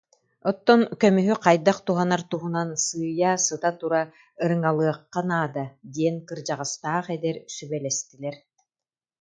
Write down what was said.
Оттон көмүһү хайдах туһанар туһунан сыыйа, сыта-тура ырыҥалыахха наада диэн кырдьаҕастаах эдэр сүбэлэстилэр